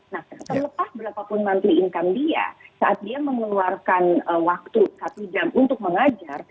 nah terlepas berapapun nanti income dia saat dia mengeluarkan waktu satu jam untuk mengajar